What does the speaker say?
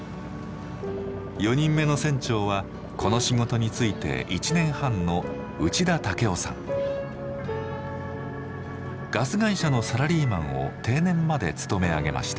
４人目の船長はこの仕事に就いて１年半のガス会社のサラリーマンを定年まで勤め上げました。